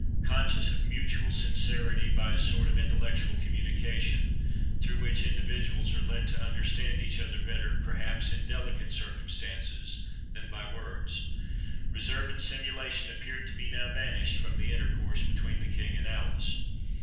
Conscious of mutual sincerity, by a sort of intellectual communication, through which individuals are led to understand each other better, perhaps, in delicate circumstances, than by words, reserve and simulation appeared to be now banished from the intercourse between the King and Alice.